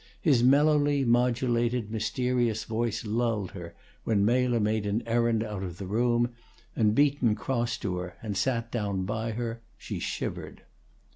His mellowly modulated, mysterious voice lulled her; when Mela made an errand out of the room, and Beaton crossed to her and sat down by her, she shivered.